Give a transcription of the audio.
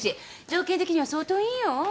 条件的には相当いいよ。